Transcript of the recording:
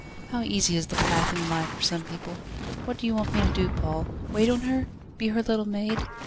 how easy is the path in life for some people! What do you want me to do, Paul? Wait on her? Be her little maid?